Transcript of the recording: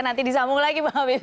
nanti disambung lagi pak amin